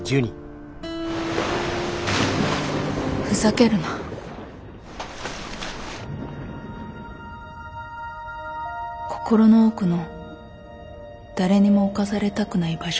ふざけるな心の奥の誰にも侵されたくない場所。